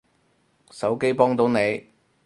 手機幫到你